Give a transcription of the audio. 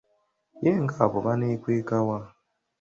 Ye nga bbo baneekweka wa?